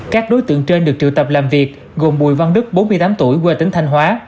các đối tượng trên được triệu tập làm việc gồm bùi văn đức bốn mươi tám tuổi quê tỉnh thanh hóa